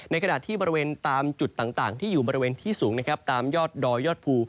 ขณะที่บริเวณตามจุดต่างที่อยู่บริเวณที่สูงนะครับตามยอดดอยยอดภู